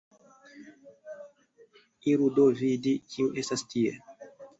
Iru do vidi, kiu estas tie.